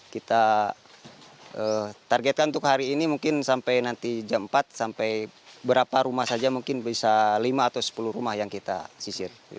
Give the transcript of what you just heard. kita targetkan untuk hari ini mungkin sampai nanti jam empat sampai berapa rumah saja mungkin bisa lima atau sepuluh rumah yang kita sisir